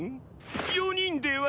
４人では？